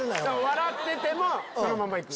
笑っててもそのままいく。